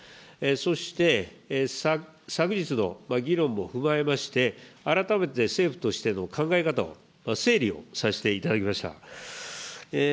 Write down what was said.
そして、昨日の議論も踏まえまして、改めて政府としての考え方を整理をさせていただきました。